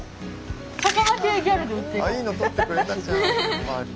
いいの撮ってくれたじゃん。